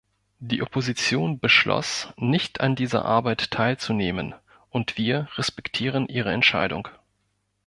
Die Opposition beschloss, nicht an dieser Arbeit teilzunehmen, und wir respektieren ihre Entscheidung.